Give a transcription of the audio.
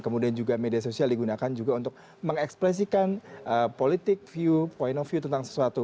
kemudian juga media sosial digunakan juga untuk mengekspresikan politik view point of view tentang sesuatu